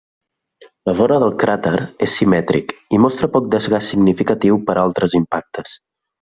La vora del cràter és simètric i mostra poc desgast significatiu per altres impactes.